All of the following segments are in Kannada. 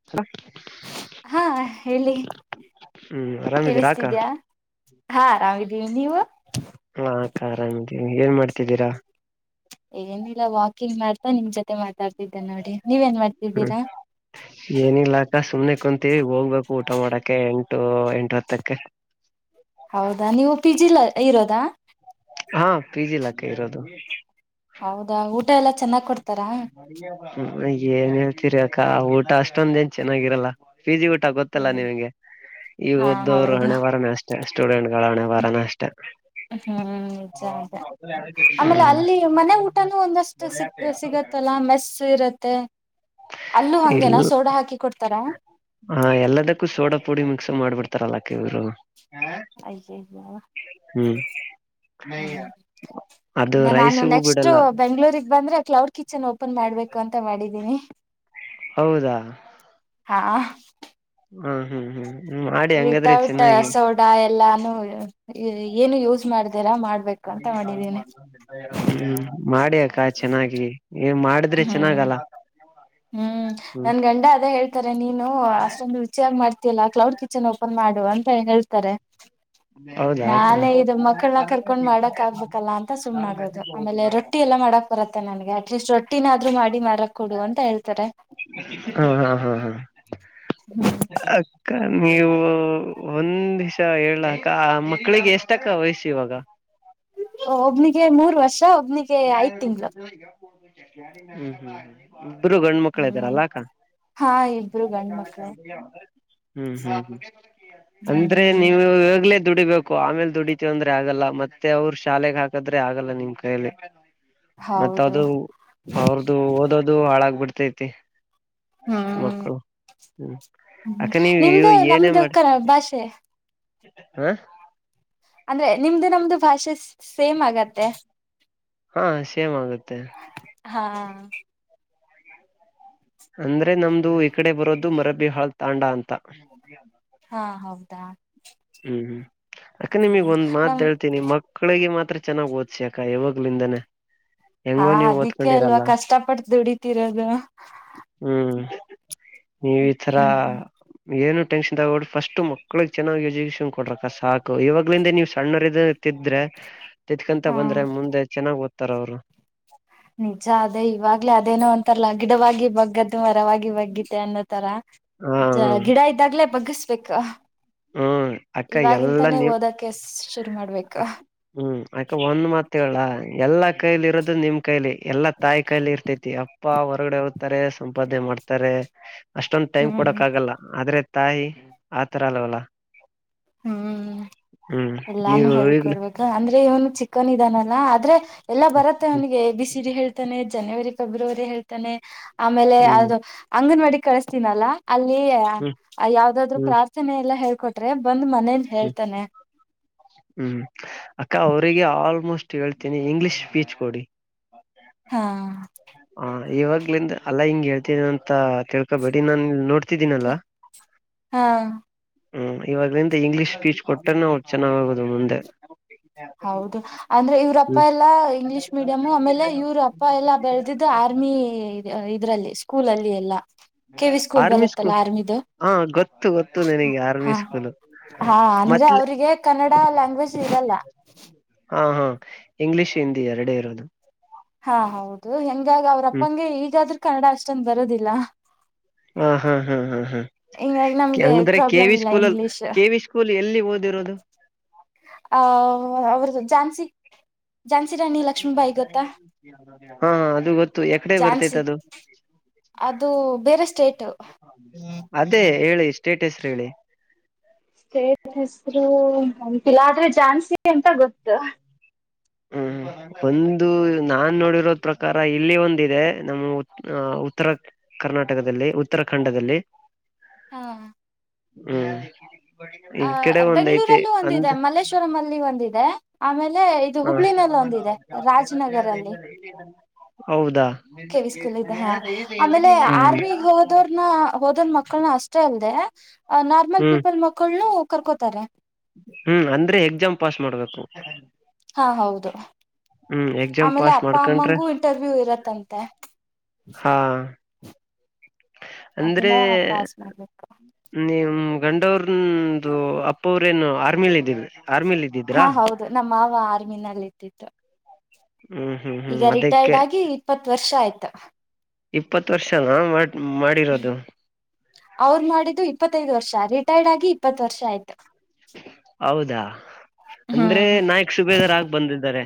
[unintelligible] ಹಾ ಹೇಳಿ ಹ್ಮ್ ಆರಾಮಿದೀರಾ ಅಕ್ಕ ಕೇಳಿಸ್ತಿದ್ಯಾ. ಹಾ ಅರಾಮ್ ಇದೀವಿ ನೀವು. ಹು ಹಾ ಅಕ್ಕರ ಹಂಗೆ ಏನ್ ಮಾಡ್ತಿದ್ದೀರಾ. ಏನಿಲ್ಲ ವಾಕಿಂಗ್ ಮಾಡ್ತಾ ನಿಮ್ ಜೋತೆ ಮಾತಾಡ್ತಿದ್ದೆ ನೋಡಿ ನೀವ್ ಏನ್ ಮಾಡ್ತಿದ್ದೀರಾ. ಏನಿಲ್ಲಾಕ್ಕ ಸುಮ್ನೆ ಕುಂತೀವಿ ಹೋಗ್ಬೇಕು ಊಟಮಾಡಕ್ಕೆ ಎಂಟು ಎಂಟು ಹತ್ತಕ್ಕೆ. ಹೌದಾ ನೀವು ಪಿ ಜಿ ಲಾ ಇರೋದಾ. ಹಾ ಪಿ ಜಿ ಲಕ್ಕ ಇರೋದು. ಹೌದ ಊಟ ಎಲ್ಲಾ ಚೆನ್ನಾಗ್ ಕೊಡ್ತಾರಾ. ಹ್ಮ್ ಏನ್ ಹೇಳ್ತಿರಿ ಅಕ್ಕ ಊಟ ಅಷ್ಟೊಂದ ಏನ್ ಚೆನ್ನಾಗಿರಲ್ಲ. ಫೀಜಿ ಊಟ ಗೊತ್ತಲ್ಲ ನಿಮ್ಗೆ ಈಗ ಹಾ ಓದ್ದವ್ರು ಹೌದು ಹಣೆಬರನೇ ಅಷ್ಟೇ ಸ್ಟೂಡೆಂಟಗಳ ಹಣೆಬರನೇ ಅಷ್ಟ. ಹ್ಮ್ ನಿಜ ಅದೇ ಆಮೇಲೆ ಹ್ಮ್ ಅಲ್ಲಿ ಮನೆ ಊಟನೂ ಒಂದಷ್ಟು ಸಿಕ್ಕ ಸಿಗತ್ತಲ್ಲಾ ಮೆಸ್ಸ ಇರತ್ತೆ ಅಲ್ಲೂ ಹಂಗೇನಾ ಸೋಡಾ ಹಾಕಿ ಕೊಡ್ತಾರ, ಹಾ ಎಲ್ಲದಕ್ಕೂ ಸೋಡಾ ಪುಡಿ ಮಿಕ್ಸ್ ಮಾಡ್ಬಿಡ್ತಾರಲ್ಲಾಕ್ಕ ಇವ್ರು. ಅಯ್ಯಯೋ, ಹ್ಮ್ ಹ್ಮ್ ಅದು ಇನ್ನ ನಾನು ರೈಸ್ಗೂ ನೆಕ್ಸ್ಟ್ ಬಿಡಲ್ಲ ಬೆಂಗಳೂರ್ ಬಂದ್ರೆ ಕ್ಲೌಡ್ ಕಿಚನ್ ಓಪನ್ ಮಾಡ್ಬೇಕು ಅಂತ ಮಾಡಿದ್ದೀನಿ. ಹೌದಾ, ಹಾ, ಹ ಹ್ಮ್ ಹ್ಮ್ ಹ್ಮ್ ಮಾಡಿ ಹಂಗಾದ್ರೆ ಚೆನ್ನಾಗಿ. ದ ಎಲ್ಲಾನು ಏನು ಯೂಸ್ ಮಾಡದಿರ ಮಾಡಬೇಕು. [inaudible] ಹ್ಮ ಮಾಡಿ ಅಕ್ಕ ಚೆನ್ನಾಗಿ. ನೀವು ಮಾಡುದ್ರೆ ಹ್ಮ್ ಚೆನ್ನಾಗಲ್ಲ. ಹ್ಮ್ ಹ್ಮ್ ನನ್ ಗಂಡ ಅದೇ ಹೇಳ್ತಾರೆ ನೀನು ಅಷ್ಟೊಂದು ರುಚಿಯಾಗ್ ಮಾಡ್ತಿ ಅಲ್ಲ ಕ್ಲೌಡ್ ಕಿಚನ್ ಓಪನ್ ಮಾಡು ಅಂತ ಹೇಳ್ತಾರೆ. [inaudible] ನಾಳೆ ಇದು ಮಕ್ಳನ್ನ ಕರ್ಕೊಂಡ್ ಮಾಡಕ್ ಆಗ್ಬೇಕಲ್ಲ ಅಂತ ಸುಮ್ನ ಆಗೋದು ಆಮೇಲೆ ರೊ ಟ್ಟಿ ಎಲ್ಲಾ ಮಾಡಕ್ ಬರುತ್ತೆ ನನಗೆ ಅಟ್ಲೀಸ್ಟ ರೊಟ್ಟಿನಾದ್ರು ಮಾಡಿ ಮಾರಾಕ್ ಕೊಡು ಅಂತ ಹೇಳ್ ಹಾ ಹಾ ಹಾ ಹಾ ಅಕ್ಕ ನೀವು ಒಂದ್ವಿಶ ಹೇಳಕ್ಕ ಮಕ್ಕಳಿಗೆ ಎಷ್ಟ್ ಅಕ್ಕ ವಯಸ್ಸ ಇವಾಗ್. ಒಬ್ನಿಗೆ ಮೂರು ವರ್ಷ, ಒಬ್ನಿಗೆ [inaudible] ಐದ್ ತಿಂಗಳು ಇಬ್ಬರು ಗಂಡು ಮಕ್ಳ ಹ್ಮ್ ಇದ್ದಾರಲ್ಲ ಅಕ್ಕ. ಹಾ ಇಬ್ರು ಗಂಡ್ ಮಕ್ಳೇ ಹ್ಮ್ ಹ್ಮ್ ಅಂದ್ರೆ ಹ್ಮ್ ನೀವು ಇಗಲೇ ದುಡಿಬೇಕು ಆಮೇಲೆ ದುಡಿತಿವಿ ಅಂದ್ರೆ ಆಗಲ್ಲ. ಮತ್ತೆ ಅವ್ರು ಶಾಲೆಗೆ ಹಾಕದ್ರೆ ಆಗಲ್ಲ ನಿಮ್ ಕೈಯಲ್ಲಿ ಮತ್ತ ಹೌದು ಅದು ಅವ್ರದು ಓದೋದು ಹಾಳಾಗ್ಬಿಡ್ತೈತಿ. ಹ್ಮ್ ಮಕ್ಕಳು ಹ್ಮ ಹ್ಮ್ ಅಕ್ಕ ನೀವ ನಿಮ್ದು ಏನೇ ನಮ್ದು ಮಾಡಿ. ಕರ ಭಾಷೆ ಹಾ, ಅಂದ್ರೆ ನಿಮ್ದು ನಮ್ದು ಭಾಷೆ ಸೆ ಸೇಮ್ ಆಗತ್ತೆ ಹಾ ಸೇಮ್ ಆಗತ್ತೆ, ಹಾ, ಅಂದ್ರೆ ನಮ್ದು ಈ ಕಡೆ ಬರೋದು ಮರಬಿಹಾಳ್ ತಾಂಡ ಅಂತ. ಹಾ ಹೌದಾ, ಹ್ಮ್ ಹ್ಮ್ ಅಕ್ಕ ನಿಮಗ್ ಹ್ಮ್ ಒಂದ್ ಮಾತ್ ನಮ್ ಹೇಳ್ತೀನಿ. ಮ ಕ್ಕಳಿಗೆ ಮಾತ್ರ ಚೆನ್ನಾಗಿ ಓದಸಿ ಇವಾಗ್ಲಿಂದನೇ. ಹಾ ಅದಕ್ಕೆ ಅಲ್ವಾ ಕಷ್ಟಪಟ್ಟ ದುಡತಿರೋದು. ಹ್ಮ್ ನೀವ ಈ ತರ, ಹ್ಮ್ ಏನು ಟೆಷನ್ ತಗೋಬೆಡ್ ಫಸ್ಟ್ ಮಕ್ಳಗ್ ಚೆನ್ನಾಗಿ ಯಜ ಕೇಶನ್ ಕೊಡ್ರಕ್ಕ ಸಾಕು ಇವಾಗ್ಲಿಂದ ನೀವು್ ಸಣ್ಣವರ ತಿದ್ರೆ ತಿದ್ತ್ಕೊಂತ ಹಾ ಬಂದ್ರೆ ಮುಂದೆ ಚೆನ್ನಾಗ್ ಓದ್ತಾರ ಅವ್ರು. ನಿಜ ಅದೇ ಇವಾಗಲೇ ಅದೇನೋ ಅಂತಾರಲ್ಲ, ಗಿಡವಾಗಿ ಬಗ್ಗದ್ದು ಮ ರವಾಗಿ, ವಾಗಿ ಬಗ್ಗತ್ತೆ ಅನ್ನೋತರ ಹಾ ಹ ಗಿಡ ಇದ್ದಾಗ್ಲೇ ಬಗ್ಗಸ್ಬೇಕ. ಹ್ಮ್ ಅಕ್ಕ ಎಲ್ಲಾ ಇವಾಗಿಂತಾನೇ ನೀವ್ ಓದಕ ಶುರು ಮಾಡ್ಬೇಕು ಹ್ಮ್ ಅಕ ಒಂದ್ ಮತ್ ಹೇಳ ಎಲ್ಲಾ ಕೈಲಿ ಇರೋದು ನಿಮ್ ಕೈಲಿ ಎಲ್ಲಾ ತಾಯಿ ಕಾಯಲಿ ಇರ್ತೈತಿ ಅಪ್ಪ ಹೊರಗಡೆ ಹೋಗತಾರೆ ಸಂಪಾದನೆ ಮಾಡ್ತಾರೆ ಅಷ್ಟೊಂದ ಟೈಮ್ ಹ್ಮ್ ಕೊಡಕ್ ಆಗಲ್ಲ ಆದ್ರೆ ತಾಯಿ ಆತರ ಅಲ್ವಲ್ಲ ಹ್ಮ್ ಹ್ಮ್ ಎಲ್ಲಾನು ನೀವು ಈಗ್ಲ ಹಳ್ಕರ್ಬೇಕ ಅಂದ್ರೆ ಇವನು ಚಿಕ್ಕನ್ ಇದಾನಲ್ಲಾ ಆದ್ರೆ ಎಲ್ಲಾ ಬರತ್ತೆ ಅವನಿಗೆ ಬಿಸಿಡಿ ಹೇಳ್ತಾನೆ ಜನವರಿ ಫೆಬ್ರವರಿ ಹೇಳ್ತಾನೆ ಆಮೇಲೆ ಹ್ಮ್ ಅದು ಅಂಗನವಾಡಿ ಕಳಸ್ತೀನಲ್ಲ ಅಲ್ಲಿ ಹ್ಮ್ ಯಾವ್ದಾದ್ರು ಹ್ಮ್ ಪ್ರಾರ್ಥನೆ ಎಲ್ಲ ಹೇಳ್ಕೊಟ್ರೆ ಬಂದು ಮನೇಲಿ ಹ್ಮ್ ಹೇಳ್ತಾನೆ ಹ್ಮ್ ಅಕ್ಕ ಅವ್ರರಿಗೆ ಆಲ್ಮೋಸ್ಟ್ ಹೇಳ್ತೀನಿ ಇಂಗ್ಲಿಷ್ ಸ್ಪೀಚ್ ಕೊಡಿ ಹಾ ಹ ಇವಾಗ್ಲಿಂದ ಅಲ್ಲಾ ಹಿಂಗಗೆ ಹೇಳ್ತನ ಅಂತ ತಿಳ್ಕೊಬೇಡಿ ನಾನ್ ನೋಡ್ತಿದ್ದೀನಲ್ಲಾ ಹ್ಮ್ ಹ್ಮ್ ಇವಾಗಲಿಂದ ಇಂಗ್ಲೀಷ್ ಸ್ಪೀಚ್ ಕೊಟ್ಟಾನ ಅವ ಚೆನ್ನಾಗೋದು ಮುಂದೆ ಹೌದು ಅಂದ್ರೆ ಇವ್ರಪ್ಪ ಹ್ಮ್ ಎಲ್ಲಾ ಇಂಗ್ಲಿಷ್ ಮೀಡಿಯಮು ಆಮೇಲೆ ಇವ್ರಪ್ಪ ಪಪ್ಪ ಎಲ್ಲಾ ಬೆಳೆದಿದ್ದು ಆರ್ಮಿ ಇದ್ರಲ್ಲಿ ಸ್ಕೂಲಲ್ಲಿ ಎಲ್ಲಾ ಕೆ ವಿ ಆರ್ಮಿ ಬರತ್ತಲ್ಲ ಸ್ಕೂಲ್ ಆರ್ಮಿದು ಹಾ ಗೊತ್ತು ಗೊತ್ತು ನಿನಗೆ ಹಾ ಆರ್ಮಿ ಸ್ಕೂಲು ಹಾ ಅಂದ್ರೆ ಅವ್ರಿಗೆ ಕನ್ನಡ ಲ್ಯಾಂಗ್ವೇಜ್ ಇರಲ್ಲ ಹಾ ಹಾ ಇಂಗ್ಲಿಷ್ ಹಿಂದಿ ಎರಡ ಇರೋದು ಹಾ ಹೌದು ಹೆಂಗಾಗ ಅವ್ರ ಹ್ಮ್ ಅಪ್ಪಂಗೆ ಈಗಾದ್ರೂ ಕನ್ನಡ ಅಷ್ಟೊಂದು ಬರೋದಿಲ್ಲ ಹ ಹಾ ಹಾ ಹಾ ಹಾ ಹಿಂಗಾಗಿ ನಮ್ಗೆ ಅಂಗಂದ್ರೆ ಕೆ ಪ್ರಾಬ್ಲಮ್ ವಿ ಇಲ್ಲ ಸ್ಕೂಲ ಅಲ್ಲಿ English K V school school ಎಲ್ಲಿ ಓದಿರೋದು ಆ ಅವ್ರದ್ದ ಝಾನ್ಸಿ ಜಝಾನ್ಸಿ ರಾಣಿ ಲಕ್ಷ್ಮೀಬಾಯಿ ಗೊತ್ತಾ ಹಾ ಅದು ಗೊತ್ತು ಎಕಡೆ ಬರ್ತೈತ್ ಜಝಾನ್ಸಿ ಅದು ಅದು ಬೇರೆ ಸ್ಟೇಟ್ ಅದೇ ಹೇಳಿ ಸ್ಟೇಟಸ ಹೇಳಿ ಸ್ಟೇಟಸ್ರು ಗೊತ್ತಿಲ್ಲ ಆದ್ರೆ ಜಾನ್ಸಿ ಅಂತ ಗೊತ್ತು ಹ್ಮ್ ಒಂದು ನಾನ್ ನೋಡಿರೋದ್ ಪ್ರಕಾರ ಇಲ್ಲಿ ಒಂದ ಇದೆ ನಮ್ಮ ಉತ್ತರ ಕರ್ನಾಟಕದಲ್ಲಿ ಉತ್ತರಾಖಂಡದಲ್ಲಿ ಹಾ ಹ್ಮ್ ಈ ಆ ಕಡೆ ಒಂದ್ ಐತೆ ಬೆಂಗಳೂರಲ್ಲೂ ಅಂದ ಒಂದಿದೆ ಮಲ್ಲೇಶ್ವರಂ ಅಲ್ಲಿ ಒಂದಿದೆ ಆಮೇಲೆ ಇದು ಹ ಹುಬ್ಳಿನಲ್ಲಿ ಒಂದಿದೆ ರಾಜನಗರಲ್ಲಿ ಹೌದಾ ಕೆ ವಿ ಸ್ಕೂಲ್ ಇದೆ ಹ್ಮ್ ಹಾ ಆಮೇಲೆ ಆರ್ಮಿ ಹೋದೋರ್ನ ಹೋದನ್ ಮಕ್ಕಳನ ಅಷ್ಟ ಇಲ್ದೆ ನಾರ್ಮಲ್ ಹ್ಮ್ ಪೀಪಲ್ ಮಕ್ಕಳನು ಕರ್ಕೋತಾರೆ ಹ್ಮ್ ಅಂದ್ರೆ ಎಕ್ಸಾಮ್ ಪಾಸ್ ಮಾಡ್ಬೇಕು ಹಾ ಹೌದು ಹ್ಮ್ ಎಕ್ಸಾಮ್ ಆಮೇಲೆ ಪಾಸ್ ಅಪ್ಪ ಮಾಡ್ಕೊಂಡ್ರೆ ಅಮ್ಮಂಗೂ ಇಂಟರ್ವ್ಯೂ ಇರತ್ತಂತೆ ಹಾ ಅಂದ್ರೆ ಅದನ್ನ ಪಾಸ್ ಮಾಡ್ಬೇಕು ನೀಮ ಗಂಡವ್ರಂದು ಅಪ್ಪವ್ರೇನು ಆರ್ಮಿಲ್ ಇದೀವಿ ಆರ್ಮಿಲಿ ಇದವಿ ಹಾ ಹೌದು ನಮ್ಮ ಮಾವ ಆರ್ಮಿನಲ್ಲಿ ಇದ್ದಿತ್ತು ಹ್ಮ ಈಗ ರಿಟೈರ್ಡ್ ಆಗಿ ಇಪ್ಪತ್ ವರ್ಷ ಆಯ್ತ ಇಪ್ಪತ್ತು ವರ್ಷನಾ ಮಾಡ ಮಾಡಿರೋದು ಅವರು ಮಾಡಿದ್ದು ಇಪ್ಪತ್ತೈದು ವರ್ಷ ರಿಟೈರ್ಡ್ ಆಗಿ ಇಪ್ಪತ್ತು ವರ್ಷ ಆಯ್ತು ಹೌದಾ ಅಂದ್ರೆ ಹ್ಮ್ ನಾಯಕ್ ಸುಬೇದರ್ ಆಗ ಬಂದಿದ್ದಾರೆ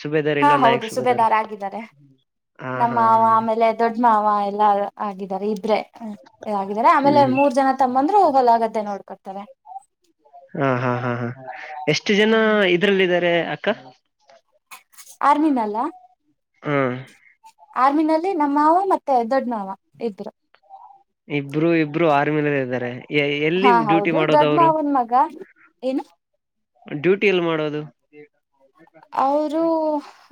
ಸುಬೇದರ್ ಹಾ ಹೌದು ಸುಬೆದಾರ್ ಆಗಿದ್ದಾರೆ ಹಾ ಹಾ ಹಾ ನಮ್ಮಮಾವ ಆಮೇಲೆ ದೊಡ್ಡ ಮಾವ ಎಲ್ಲಾ ಆಗಿದ್ದಾರೆ ಇಬ್ರೆ ಹ್ಮ ಆಗಿದ್ದಾರೆ ಆಮೇಲೆ ಹ್ಮ್ ಮೂರ್ ಜನ ತಮ್ಮಂದ್ರು ಹೊಲಾಗದ್ದೆ ನೋಡ್ಕೊತಾರೆ ಹಾ ಹಾ ಹಾ ಹಾ ಎಷ್ಟು ಜನ ಇದ್ರಲ್ಲಿದ್ದಾರೆ ಅಕ್ಕಾ ಆರಮಿ ನಲ್ಲಾ ಆರ್ಮಿನಲ್ಲಿ ನಮ್ಮಮಾವ ಮತ್ತೆ ದೊಡ್ಡ ಮಾವ ಇಬ್ರು ಇಬ್ರು ಇಬ್ರು ಆರ್ಮಿಲಲ್ಲ ಇದ್ದಾರೆ ಎಲ್ಲಿ ಹಾ ಡ್ಯೂಟಿ ಹೌದು ಮಾಡೋದು ದೊಡ್ಡ ಅವರು ಮಾವನ ಮಗಾ ಏನು ಡ್ಯೂಟಿ ಎಲ್ಲಿ ಮಾಡೋದು ಅವರು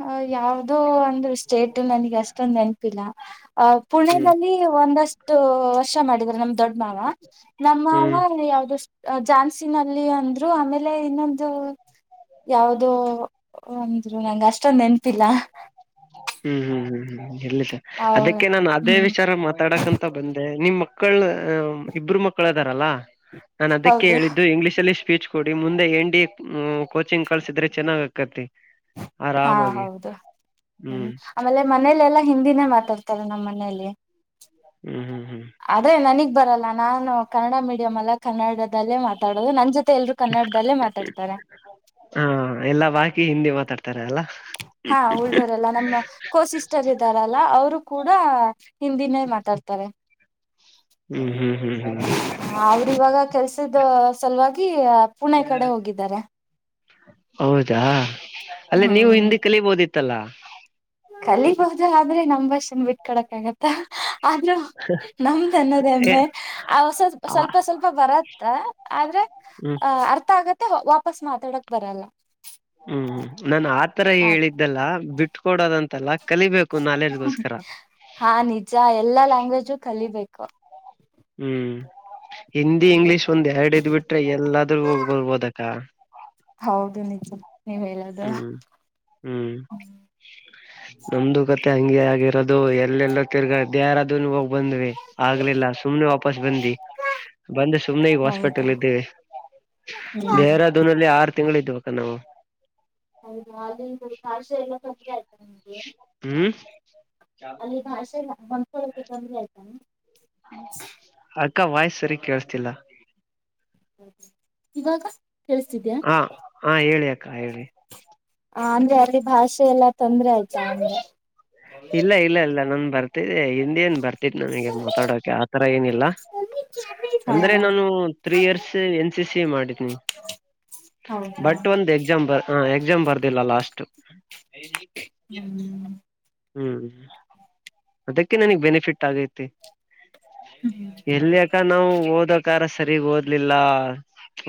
ಅ ಯಾವ್ದೋ ಅಂದ್ರೆ ಸ್ಟೇಟ್ ನನಗೆ ಅಷ್ಟೊಂದ ನೆನಪಿಲ್ಲಾ ಅ ಹ್ಮ್ ಪುಣೆದಲ್ಲಿ ಒಂದಷ್ಟು ವರ್ಷ ಮಾಡಿದ್ದಾರೆ ನಮ್ದ ದೊಡ್ಡ ಮಾವ ನಮ್ಮವ ಹ್ಮ್ ಯಾವ್ದ ಜಾನ್ಸಿನಲ್ಲಿ ಅಂದ್ರು ಆಮೇಲೆ ಇನ್ನೊಂದು ಯಾವ್ದೋ ಒಂದ್ರು ನಂಗ್ ಅಷ್ಟೊಂದ ನೆನಪಿಲಾ ಹ್ಮ್ ಹ್ಮ್ ಹ್ಮ್ ಹ್ಮ್ ಎಲ್ಲಿ ಸ ಹೌದ ಅದಕ್ಕೆ ನಾನ್ ಅದೇ ಹ್ಮ್ ವಿಚಾರ ಮಾತಾಡಕಂತ ಮತ್ತ ಬಂದೆ ನಿಮ್ ಮಕ್ಕಳ ಇಬ್ರು ಮಕ್ಕಳ ಅದಾರಲ್ಲಾ ನಾನ್ ಅದಕ್ಕೆ ಹೌದು ಹೇಳಿದ್ದು ಇಂಗ್ಲೀಷ್ ಅಲ್ಲಿ ಫೀಚ್ ಕೊಡಿ ಮುಂದೆ ಎನ್ ಡಿ ಎ ಕೋಚಿಂಗ್ ಕಳಸಿದ್ರೆ ಚೆನ್ನಾಗ್ ಆಕತಿ ಹಾ ಆರಾಮಾಗಿ ಹೌದು ಹ್ಮ್ ಆಮೇಲೆ ಮನೇಲೆಲ್ಲಾ ಹಿಂದಿನೇ ಮಾತಾಡ್ತಾರೆ ನಮ್ಮ್ ಮನೇಲಿ ಹ್ಮ್ ಹ್ಮ್ ಹ್ಮ್ ಆದೆ ನನಗ್ ಬರಲ್ಲ ನಾನು ಕನ್ನಡ ಮೀಡಿಯಂ ಅಲ್ಲಾ ಕನ್ನಡದಲ್ಲೇ ಮಾತಾಡೋದು ನನ್ ಜೊತೆ ಎಲ್ರರು ಕನ್ನಡದಲ್ಲೇ ಮಾತಾಡ್ತಾರೆ ಹಾ ಎಲ್ಲಾ ಬಾಕಿ ಹಿಂದಿ ಮಾತಾಡ್ತಾರ ಅಲ್ಲಾ ಹಾ ಉಳ್ದಾರಲ್ಲ ನಮ್ಮ ಕೋ ಸಿಸ್ಟರ್ ಇದ್ದಾರಲ್ಲ ಅವರು ಕೂಡ ಹಿಂದಿನೇ ಮಾತಾಡ್ತಾರೆ ಹ್ಮ್ ಹ್ಮ್ ಹ್ಮ್ ಹ್ಮ್ ಹ್ಮ್ ಅವ್ರ ಇವಾಗ ಕೆಲ್ಸದ ಸಲುವಾಗಿ ಪುಣೆ ಕಡೆ ಹೋಗಿದ್ದಾರೆ ಹೌದಾ ಅಲ್ಲಾ ನೀವು ಹ್ಮ್ ಹಿಂದಿ ಕಲಿಬೋದಿತ್ತಲ್ಲಾ ಕಲಿಬಹದು ಆದ್ರೆ ನಮ ಭಾಷೆಯನ್ನು ಬಿಟ ಕೋಡಕ್ ಆಗತ್ತ ಆದ್ರೂ ನಮದು ಅನ್ನೊದೂ ಏ, ಹೆಮ್ಮೆ ಆಸ ಆ, ಸ್ವಲ್ಪ ಸ್ವಲ್ಪ ಬರತ್ತ ಆದ್ರೆ ಹ್ಮ್ ಅ ಅರ್ಥ ಆಗತ್ತೆ ವಾಪಸ್ ಮಾತಾಡಕ್ ಬರಲ್ಲಾ ಹ್ಮ್ ನಾನ್ ಆತರ ಹೇಳಿದ್ದಲ್ಲ ಬಿಟ್ಕೊಡೋದಂತಲ್ಲ ಕಲಿಬೇಕು ನಾಲೆಜ್ ಗೋಸ್ಕರ ಹಾ ನಿಜಾ ಎಲ್ಲಾ ಲ್ಯಾಂಗ್ವೇಜು ಕಲಿಬೇಕು ಹ್ಮ್ ಹಿಂದಿ ಇಂಗ್ಲಿಷ್ ಒಂದ್ ಎರಡ ಇದ್ ಬಿಟ್ರೆ ಎಲ್ಲಾದ್ರೂ ಹೋಗ್ಬರ್ಬೋದಕ್ಕ ಹೌದು ನಿಜಾ ನೀವ್ ಹೇಳೋದು ಹ್ಮ್ ಹ್ಮ್ ನಮ್ದು ಕತೆೆ ಹಂಗೆ ಆಗಿರೋದು ಎಲ್ಲೆಲ್ಲ ತಿರ್ಗಾಡ ದೈರಾ ಡೋಂಟ್ ಹೋಗ ಬಂದ್ವಿ ಆಗ್ಲಿಲ್ಲ ಸುಮ್ನೆ ವಾಪಸ್ ಬಂದಿ ಬಂದೆ ಸುಮ್ನೆ ಈಗ ಹಾಸ್ಪಿಟಲ್ ಇದ್ದಿವಿ ಹ್ಮ ದೇಹರಾದೂನಲ್ಲಿ ಆರು ತಿಂಗಳು ಇದ್ಬೇಕ ನಾವು [unintelligible] ಹ್ಮ್ [unintelligible] ಅಕ್ಕ ವಾಯ್ಸ್ ಸರಿ ಕೇಳ್ಸ್ತಿಲ್ಲ. ಇವಾಗ ಕೇಳಸ್ತಿದ್ಯಾ. ಹಾ ಹಾ ಹೇಳಿ ಅಕ್ಕ ಹೇಳಿ. ಅಂದ್ರೆ ಅಲ್ಲಿ ಭಾಷೆ ಎಲ್ಲಾ ತೊಂದ್ರೆ ಆಯ್ತಾ ಅಂದೆ. ಇಲ್ಲ ಇಲ್ಲ ಇಲ್ಲ ನನ್ ಬರ್ತಿದೆ. ನಿನ್ನೇನು ಬರ್ತಿತ್ ನನಗೆ ಮಾತಾಡೊಕೆ ಆತರ ಏನಿಲ್ಲಾ. ಹಾ ಅಂದ್ರೆ ನಾನು three years N C C ಮಾಡಿದೆನಿ. ಹೌದಾ ಬಟ್ ಒಂದು ಎಕ್ಸಾಮ್ ಬ ಎಕ್ಸಾಮ್ ಬರ್ದಿಲ್ಲ ಲಾಸ್ಟ್. ಹು ಹು ಅದಕ್ಕೆ ನನಗ್ ಬೆನಿಫಿಟ್ ಆಗೈತಿ. ಹು ಎಲ್ಲಿ ಅಕ್ಕಾ ನಾವು ಓದೋಕಾರ ಸರಿಗ್ ಓದ್ಲಿಲ್ಲ.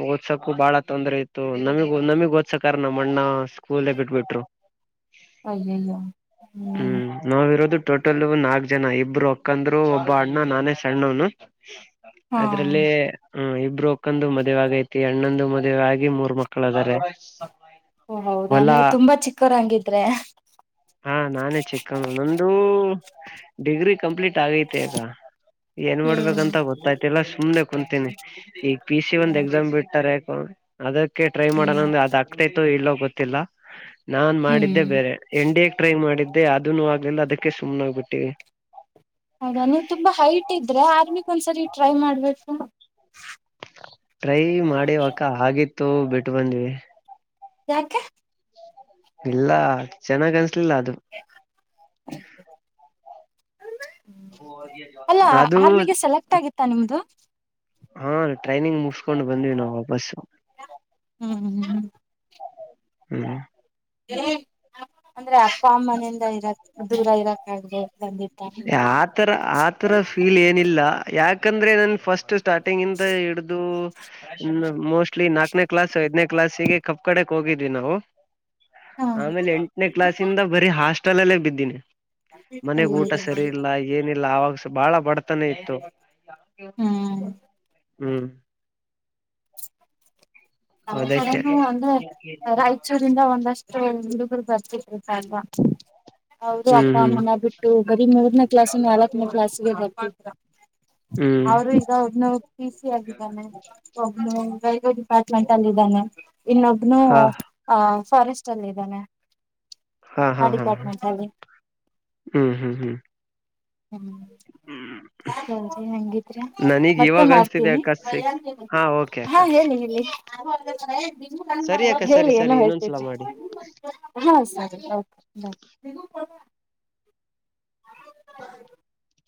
ಓದಸಕು ಬಾಳ ತೊಂದ್ರೆ ಇತ್ತು ನಮಗ ನಮಿಗ್ ಓದ್ಸಕ ನಮ್ಮ ಅಣ್ಣ ಸ್ಕೂಲ್ ಬಿಟ್ಬಿಟ್ರು. ಅಯ್ಯಯ್ಯೋ. ಹು ಹ್ಮ್ ನಾವ್ ಇರೋದು ಟೋಟಲ್ ನಾಲ್ಕ್ ಜನ ಇಬ್ರು ಅಕ್ಕಂದ್ರು ಒಬ್ಬ ಅಣ್ಣ ನಾನೇ ಸಣ್ಣವ್ನು. ಹಾ ಅದ್ರಲ್ಲಿ. ಹು ಇಬ್ರು ಅಕ್ಕಂದು ಮದ್ವೆ ಆಗೈತಿ ಅಣ್ಣಂದು ಮದುವೆ ಆಗಿ ಮೂರ್ ಮಕ್ಕಳ ಅದಾರೆ. ಓ ಹೌದಾ ಹೊಲಾ ನೀವು ತುಂಬಾ ಚಿಕ್ಕೋರಾ ಹಂಗಿದ್ರೆ. ಹಾ ನಾನೇ ಚಿಕ್ಕವನು ನಂದು. ಡಿಗ್ರಿ ಕಂಪ್ಲೀಟ್ ಆಗೈತಿ ಈಗ ಏನ್ ಮಾಡ್ಬೇಕಂತ ಗೊತ್ತಾಯತ. ತಿಲ್ಲಾ ಸುಮ್ಮನೆ ಕುಂತೀನಿ ಈಗ ಪಿ ಸಿ ಒಂದ್ ಹೌದಾ ಎಕ್ಸಾಮ್ ಬಿಡ್ತಾರೆ ಯಾಕ. ಅದಕ್ಕೆ ಟ್ರೈ ಹ್ಮ್ ಮಾಡೋಣಂದ ಅದು ಆಗ್ತೈತ ಇಲ್ಲೊ ಗೊತ್ತಿಲ್ಲ ನಾನ್ ಮಾಡಿದ್ದೆ ಹ್ಮ್ ಬೇರೆ. ಎನ್ ಡಿ ಎಗ್ ಟ್ರೈ ಮಾಡಿದ್ದೆ ಅದನು ಆಗ್ಲಿಲ್ಲ ಅದಕ್ಕೆ ಸುಮ್ಮನೆನಾಗ್ಬಿಟ್ಟಿವವಿ. ಹೌದಾ ನೀವು ತುಂಬಾ ಹೈಟ್ ಇದ್ರೆ ಆರ್ಮಿಕ್ ಒಂದ್ಸರಿ ಟ್ರೈ ಮಾಡ್ಬೇಕು. ಟ್ರೈ ಮಾಡಿವ ಅಕ್ಕಾ ಆಗಿತ್ತು ಬಿಟ್ಟು ಬಂದ್ವಿ. ಯಾಕೆ ಇಲ್ಲ ಚೆನ್ನಾಗ್ ಅನ್ಸ್ಲಿಲ್ಲ ಅದು. ಅಮ್ಮಾ ಅಲ್ಲ ಅದು ಆರ್ಮಿಗೆ ಸೆಲೆಕ್ಟ್ ಆಗಿತ್ತಾ ನಿಮ್ದು. ಹಾ ಟ್ರೈನಿಂಗ್ ಮುಗಸಕೊಂಡ್ ಬಂದ್ವಿ ನಾವು ವಾಪಸು. ಹು ಹು ಹು ಹು ಅಂದ್ರೆ ಅಪ್ಪ ಅಮ್ಮನೆಯಿಂದ ಇರಕ್ ದೂರ ಇರಕ್ ಆಗದೆ ಬಂದಿದ್ದು. ಆತರ ಆತರ ಫೀಲ್ ಏನಿಲ್ಲ ಯಾಕಂದ್ರೆ ನನ್ ಫಸ್ಟ್. ಸ್ಟಾರ್ಟಿಂಗ್ ಇಂದ ಹಿಡ್ದು ಇನ್ನ ಮೋಸ್ಟ್. ಸ್ಲೀ ನಾಕನೇ ಕ್ಲಾಸ್ ಐದನೇ ಕ್ಲಾಸ್ಗೆ ಕಬ್ಬ್ ಕಡೆಕ್ ಹೋಗಿದ್ವಿ ನಾವು ಹಾ ಆಮೇಲೆ. ಎಂಟನೇ ಕ್ಲಾಸ್ ಇಂದ ಬರಿ ಹಾಸ್ಟೆಲ್ ಅಲ್ಲೇ ಬಿದ್ದೀನಿ. ಮನೆಗ್ ಊಟ ಸರಿ ಅಯ್ಯ್ ಇಲ್ಲ ಏನಿಲ್ಲ ಆವಾಗಸ ಬಹಳ ಬಡತನಾ ಇತ್ತು ಹು ನಮ್ಮ ಅದಕ್ಕೆ ಕಡೆನೂ ಒಂದೆ ರಾಯಚೂರಿಂದ ಒಂದಷ್ಟು ಹುಡುಗ್ರು ಬರ್ತಿದ್ರು ಪಾಪ. ಚಿಕ್ ಅವರು ಅಪ್ಪ ಹ್ಮ್ ಹ್ಮ್ ಅಮ್ಮನ ಬಿಟ್ಟು ಬರೀ ಮೂರ್ನೇ ಕ್ಲಾಸ್ ನಾಲ್ತ್ತನೇ ಕ್ಲಾಸ್ಗೆ ಬರ್ತಿದ್ರು. ಹು ಇಗ ಒಬ್ಬನು ಪಿ ಸಿ ಆಗಿದ್ದಾನೆ ಒಬ್ಬನು ರೇಲ್ವೆ ಡಿಪಾ. ಅಪಾರ್ಟ್ಮೆಂಟ್ ಅಲ್ಲಿ ಇದಾನೆ ಇನ್ನೊಬ್ನು ಹಾ ಅ ಫಾರೆಸ್ಟ್ ಅಲ್ಲಿ ಇದ್ದಾನೆ ಹಾ ಆ ಹಾ ಹಾ ಹಾ ಡಿಪಾರ್ಟ್ಮೆಂಟ್ ಅಲ್ಲಿ ಹ್ಮ್ ಹ್ಮ್ ಹ್ಮ್ ಹೂ ಸರಿ ಹಂಗಿದ್ರೆ ನನಗ್ ಮತ್ತೆ ಇವಾಗ ಅನ್ಸ್ತಿದೆ ಮಾಡ್ತೀನಿ ಅಕ್ಕ ಸಿಕ್ ಹಾ ಓಕೆ ಹ ಅಕ್ಕ ಹೇಳಿ ಸರಿ ಅಕ್ಕ ಸರಿ ಏನೋ ಸರಿ ಇನ್ನೊಂದ್ಸಲ ಹೇಳ್ತಿದ್ರಿ ಮಾಡಿ ಹಾ ಸರಿ ಓಕೆ ಬಾಯ [inaudible]